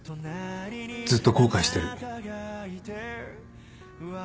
ずっと後悔してる。